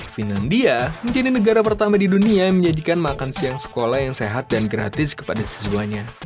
finlandia menjadi negara pertama di dunia yang menjadikan makan siang sekolah yang sehat dan gratis kepada siswanya